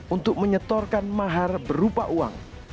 untuk menyetorkan mahar berupa uang